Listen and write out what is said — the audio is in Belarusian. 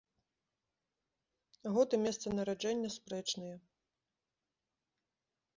Год і месца нараджэння спрэчныя.